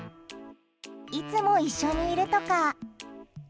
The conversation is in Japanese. いつも一緒にいるとか。